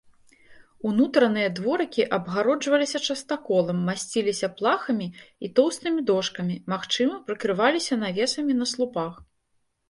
Унутраныя дворыкі абгароджваліся частаколам, масціліся плахамі і тоўстымі дошкамі, магчыма, прыкрываліся навесамі на слупах.